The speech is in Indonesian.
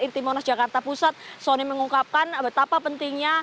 irtimonas jakarta pusat sony mengungkapkan betapa pentingnya